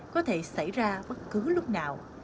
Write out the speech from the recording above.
có thể xảy ra bất cứ lúc nào